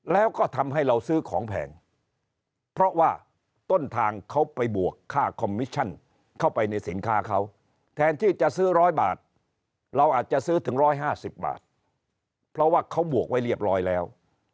แล้วก็ทำให้เราซื้อของแพงเพราะว่าต้นทางเขาไปบวกค่าคอมมิชชั่นเข้าไปในสินค้าเขาแทนที่จะซื้อ๑๐๐บาทเราอาจจะซื้อถึง๑๕๐บาทเพราะว่าเขาบวกไว้เรียบร้อยแล้ว